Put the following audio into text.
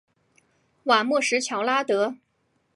瓦莫什乔拉德。